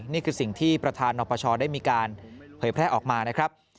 นี่คือสิ่งที่ประธานนปชได้มีการเผยแพร่ออกมานะครับ